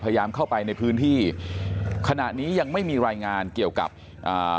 พยายามเข้าไปในพื้นที่ขณะนี้ยังไม่มีรายงานเกี่ยวกับอ่า